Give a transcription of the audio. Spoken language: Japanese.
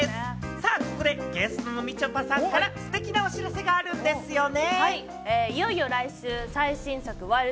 ここでゲストのみちょぱさんからステキなお知らせがあるんですよね？